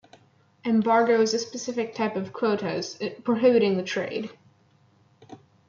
Embargo is a specific type of quotas prohibiting the trade.